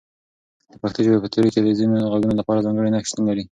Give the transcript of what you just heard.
د پښتو ژبې په توري کې د ځینو غږونو لپاره ځانګړي نښې شتون لري.